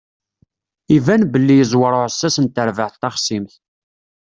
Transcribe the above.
Iban belli yeẓwer uɛessas n terbaɛt taxṣimt.